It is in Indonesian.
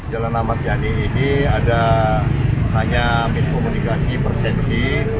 jalan lamar jani ini hanya ada miskomunikasi persensi